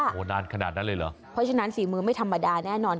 โอ้โหนานขนาดนั้นเลยเหรอเพราะฉะนั้นฝีมือไม่ธรรมดาแน่นอน